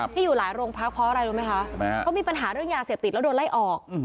ที่อยู่หลายโรงพักเพราะอะไรรู้ไหมคะเขามีปัญหาเรื่องยาเสพติดแล้วโดนไล่ออก